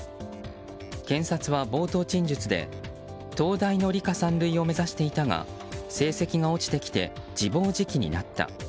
検察は、冒頭陳述で東大の理科三類を目指していたが成績が落ちてきて自暴自棄になった。